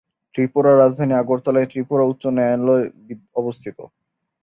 ত্রিপুরা রাজধানী আগরতলায় ত্রিপুরা উচ্চ ন্যায়ালয় অবস্থিত।